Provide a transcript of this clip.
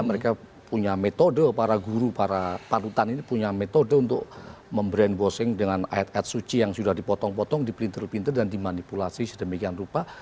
mereka punya metode para guru para palutan ini punya metode untuk membrainbowsing dengan ayat ayat suci yang sudah dipotong potong dipinter pinter dan dimanipulasi sedemikian rupa